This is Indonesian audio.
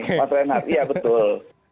iya pak reinhardt iya betul